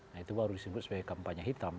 nah itu baru disebut sebagai kampanye hitam